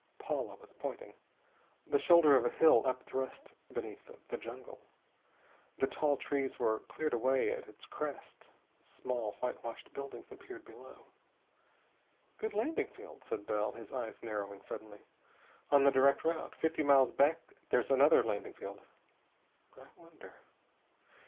Paula was pointing. The shoulder of a hill upthrust beneath the jungle. The tall trees were cleared away at its crest. Small, whitewashed buildings appeared below. "Good landing field," said Bell, his eyes narrowing suddenly. "On the direct route. Fifty miles back there's another landing field. I wonder...."